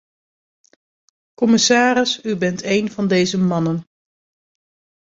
Commissaris, u bent een van deze mannen.